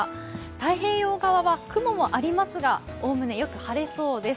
太平洋側は雲もありますがおおむねよく晴れそうです。